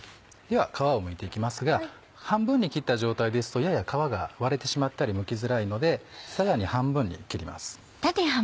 では皮をむいて行きますが半分に切った状態ですとやや皮が割れてしまったりむきづらいのでさらに半分に切ります。